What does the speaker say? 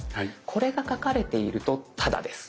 これが書かれているとタダです。